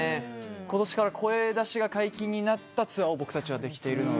ことしから声出しが解禁になったツアーを僕たちはできているので。